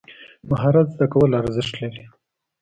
مهارت زده کول ارزښت لري.